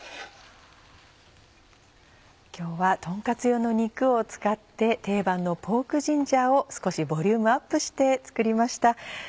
今日はとんカツ用の肉を使って定番のポークジンジャーを少しボリュームアップして作りました。